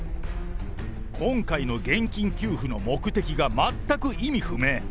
今回の現金給付の目的が全く意味不明。